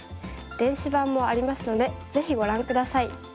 電子版もありますのでぜひご覧下さい。